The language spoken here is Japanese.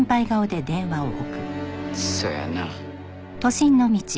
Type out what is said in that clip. そやな。